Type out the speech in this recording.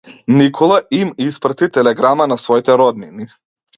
Никола им испрати телеграма на своите роднини.